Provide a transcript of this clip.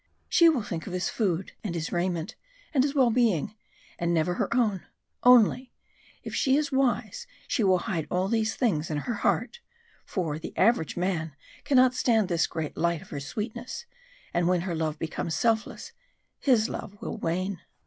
She will think of his food, and his raiment, and his well being, and never of her own only, if she is wise she will hide all these things in her heart, for the average man cannot stand this great light of her sweetness, and when her love becomes selfless, his love will wane."